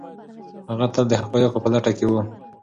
هغه تل د حقایقو په لټه کي و.